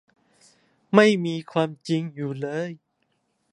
ไม่มีความจริงอยู่เลย